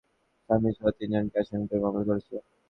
সুখীর পরিবার বাদী হয়ে তাঁর স্বামীসহ তিনজনকে আসামি করে মামলা করেছে।